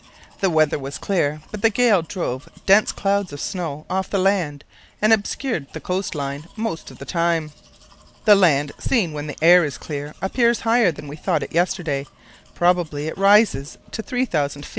The weather was clear, but the gale drove dense clouds of snow off the land and obscured the coast line most of the time. "The land, seen when the air is clear, appears higher than we thought it yesterday; probably it rises to 3000 ft.